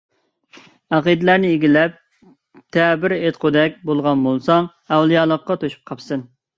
ئەقىدىلەرنى ئىگىلەپ، تەبىر ئېيتالىغۇدەك بولغان بولساڭ، ئەۋلىيالىققا توشۇپ قاپسەن.